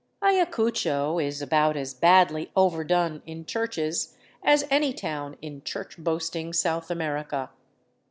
Ayacucho is about as badly overdone in churches as any town in church boasting South America.